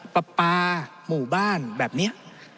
ปลาปลาหมู่บ้านแบบนี้